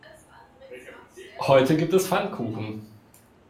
Heute gibt es Pfannkuchen.